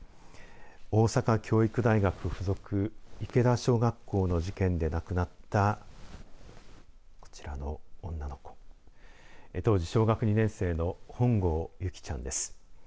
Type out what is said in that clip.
大阪教育大学附属池田小学校の事件で亡くなったこちらの女の子、当時小学２年生の本郷優希ちゃんです。